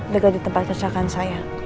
tegak di tempat keselakaan saya